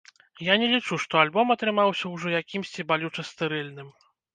Я не лічу, што альбом атрымаўся ўжо якімсьці балюча стэрыльным.